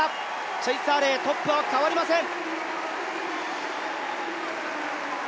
チェイス・アーレイ、トップは変わりません。